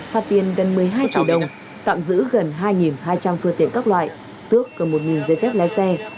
phát biên gần một mươi hai triệu đồng tạm giữ gần hai hai trăm linh phương tiện các loại tước gần một giấy phép lái xe